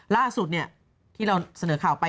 ล่าสุดที่เราเสนอข่าวไป